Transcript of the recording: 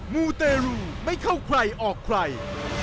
มูเตรูไม่เข้าใครออกใคร